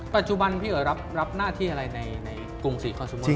ปัจจุบันลับหน้าที่อะไรในกรุงสรีคอนซูเมอร์